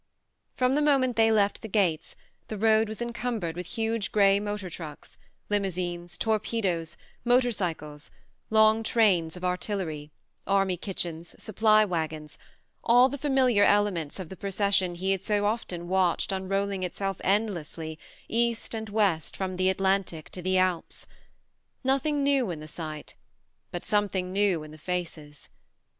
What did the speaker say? From the moment they left the gates the road was encumbered with huge grey motor trucks, limousines, torpedoes, motor cycles, long trains of artillery, army kitchens, supply wagons, all the familiar elements of the pro cession he had so often watched unrolling itself endlessly east and west from the Atlantic to the Alps. Nothing new in the sight but some thing new in the faces